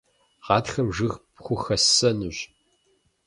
Гъатхэм жыг пхухэссэнущ.